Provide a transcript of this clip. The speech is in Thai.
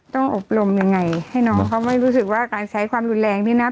อบรมยังไงให้น้องเขาไม่รู้สึกว่าการใช้ความรุนแรงนี่นะ